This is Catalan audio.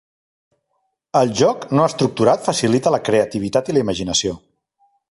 El joc no estructurar facilita la creativitat i la imaginació.